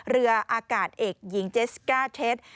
เรืออากาศเอกหญิงเจสก้าเท็จ